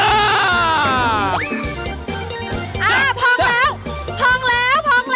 อ้าวพร้อมแล้วพร้อมแล้วพร้อมแล้ว